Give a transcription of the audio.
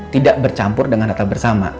tidak bercampur dengan natal bersama